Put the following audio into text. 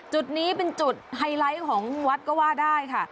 จุดนี้เป็นจุดไฮไลท์ของวัดก็ว่าได้ค่ะ